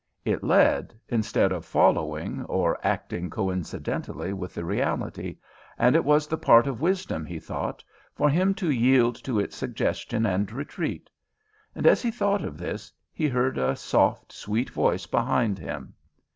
It led instead of following or acting coincidently with the reality, and it was the part of wisdom, he thought, for him to yield to its suggestion and retreat; and as he thought this, he heard a soft sweet voice behind him.